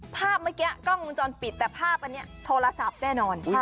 ภาพเมื่อกี้กล้องวงจรปิดแต่ภาพอันนี้โทรศัพท์แน่นอน